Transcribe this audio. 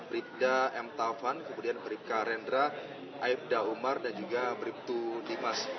bribda m taufan kemudian bribka rendra aibda umar dan juga bribtu dimas